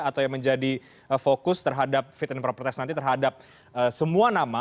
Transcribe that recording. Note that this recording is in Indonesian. atau yang menjadi fokus terhadap fit and proper test nanti terhadap semua nama